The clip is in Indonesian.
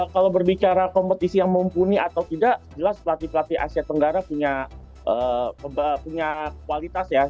kalau berbicara kompetisi yang mumpuni atau tidak jelas pelatih pelatih asia tenggara punya kualitas ya